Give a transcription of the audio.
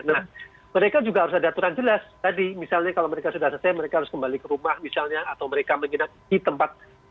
nah mereka juga harus ada aturan jelas tadi misalnya kalau mereka sudah selesai mereka harus kembali ke rumah misalnya atau mereka menginap di tempat